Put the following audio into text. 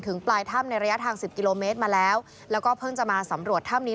ปลายถ้ำในระยะทางสิบกิโลเมตรมาแล้วแล้วก็เพิ่งจะมาสำรวจถ้ำนี้